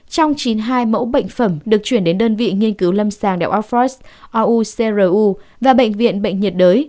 trong chín mươi hai mẫu bệnh phẩm được chuyển đến đơn vị nghiên cứu lâm sàng đạo outforce rucru và bệnh viện bệnh nhiệt đới